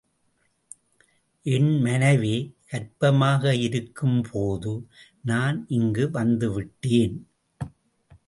என் மனைவி கர்ப்பமாக இருக்கும்போது நான் இங்கு வந்து விட்டேன்.